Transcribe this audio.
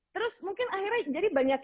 terus mungkin akhirnya jadi banyak